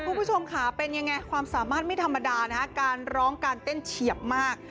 คุณผู้ชมค่ะเป็นยังไงความสามารถไม่ธรรมดานะฮะการร้องการเต้นเฉียบมาก